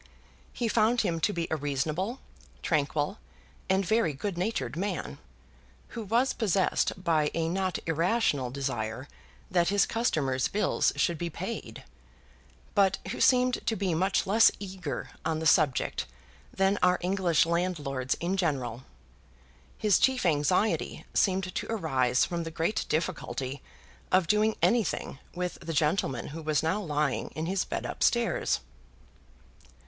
He found him to be a reasonable, tranquil, and very good natured man, who was possessed by a not irrational desire that his customers' bills should be paid; but who seemed to be much less eager on the subject than are English landlords in general. His chief anxiety seemed to arise from the great difficulty of doing anything with the gentleman who was now lying in his bed up stairs.